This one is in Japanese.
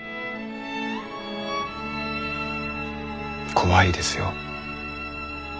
怖いですよ。